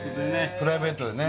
プライベートでね